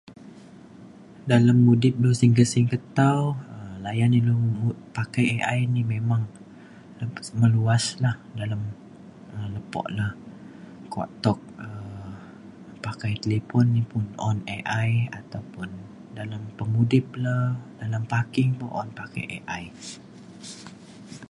dalem mudip lu singget singget tau um layan ilu pakai AI ni memang luas meluas lah dalem um lepo na kuak tuk um pakai talipon ni pun un AI ataupun dalem pengudip le dalem parking pun un pakai AI.